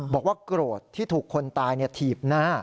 บอกว่าโกรธที่ถูกคนตายถีบหน้า